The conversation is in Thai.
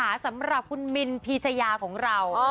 แล้วตามมาสำหรับคุณมินพีจายาของเรา